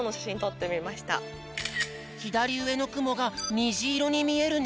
ひだりうえのくもがにじいろにみえるね！